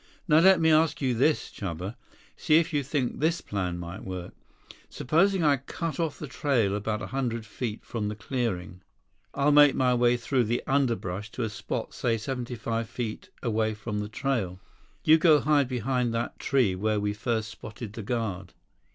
"Now let me ask you this, Chuba. See if you think this plan might work. Supposing I cut off the trail about a hundred feet from the clearing. I'll make my way through the underbrush to a spot say seventy five feet away from the trail. You go hide behind that tree where we first spotted the guard.